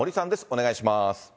お願いします。